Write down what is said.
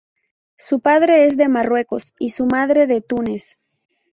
Su padre es de Marruecos y su madre de Túnez.